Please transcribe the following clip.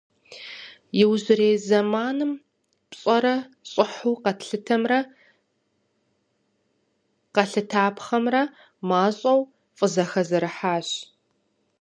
Иужьрей зэманым пщӏэрэ щӏыхьу къэтлъытэмрэ къэлъытапхъэмрэ мащӏэу тфӏызэхэзэрыхьащ.